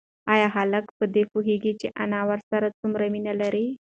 ایا هلک په دې پوهېږي چې انا ورسره څومره مینه لري؟